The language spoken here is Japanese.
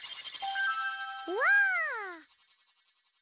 うわ！